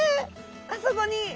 あそこに！